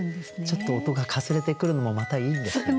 ちょっと音がかすれてくるのもまたいいんですよね。